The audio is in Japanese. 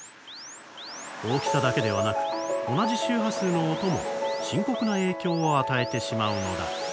大きさだけではなく同じ周波数の音も深刻な影響を与えてしまうのだ。